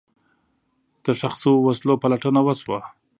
د ښخ شوو وسلو پلټنه وشوه.